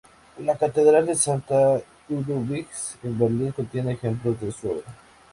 La Catedral de Santa Eduviges en Berlín contiene ejemplos de su obra.